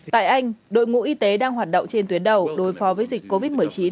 tại anh đội ngũ y tế đang hoạt động trên tuyến đầu đối phó với dịch covid một mươi chín